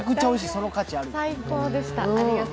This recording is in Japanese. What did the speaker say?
その価値あるよ。